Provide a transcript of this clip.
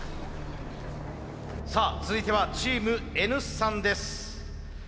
さあ続いてはチームＮ産です。